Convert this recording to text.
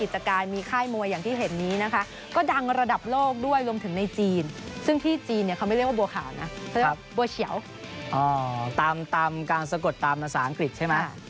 ตามการสะกดตามภาษาอังกฤษใช่ไหม